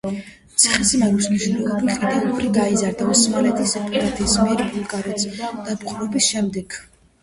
ციხესიმაგრის მნიშვნელობა კიდევ უფრი გაიზარდა ოსმალეთის იმპერიის მიერ ბულგარეთის დაპყრობის შემდეგ.